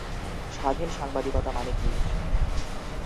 স্বাধীন সাংবাদিকতা মানে কি?